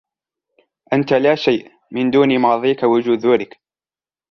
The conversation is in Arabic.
أنت لا شيء من دون ماضيك وجذورك